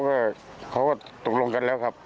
ครับแต่เขาก็ตกลงกันแล้วครับ